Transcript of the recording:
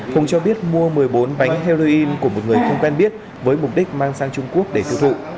hùng cho biết mua một mươi bốn bánh heroin của một người không quen biết với mục đích mang sang trung quốc để tiêu thụ